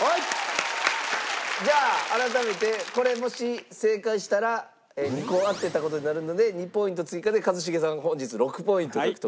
じゃあ改めてこれもし正解したら２個当てた事になるので２ポイント追加で一茂さんが本日６ポイント獲得。